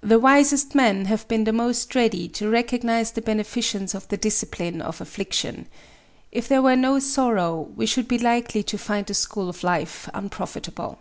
The wisest men have been the most ready to recognize the beneficence of the discipline of affliction. If there were no sorrow, we should be likely to find the school of life unprofitable.